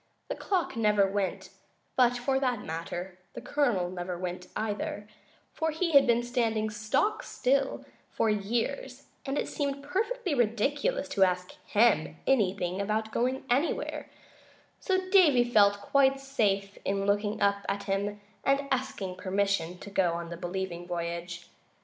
The clock never went, but, for that matter, the Colonel never went either, for he had been standing stock still for years, and it seemed perfectly ridiculous to ask him anything about going anywhere, so Davy felt quite safe in looking up at him and asking permission to go on the Believing Voyage.